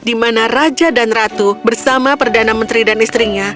di mana raja dan ratu bersama perdana menteri dan istrinya